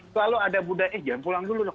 kalau ada budaya eh jangan pulang dulu